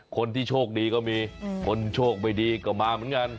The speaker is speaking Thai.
คนที่โชคดีก็มีคนโชคไม่ดีก็มาเหมือนกัน